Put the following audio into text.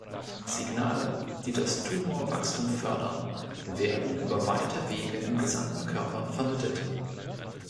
Signale, die das Tumorwachstum fördern, werden über weite Wege im gesamten Körper vermittelt.